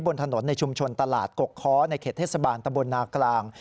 บนถนนในชุมชนตลาดกกค้อในเขตเทศบาลตะบลนากลาง